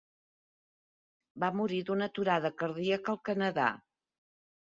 Va morir d'una aturada cardíaca al Canadà.